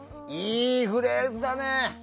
いいフレーズだね。